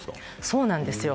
そうなんですよ。